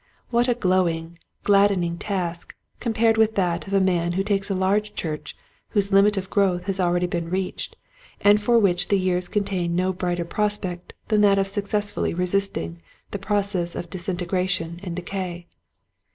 What a glowing, gladdening task compared with that of a man who takes a large church whose limit of growth has been already reached, and for which the years contain no brighter prospect than that of successfully resisting the processes of disintegration and decay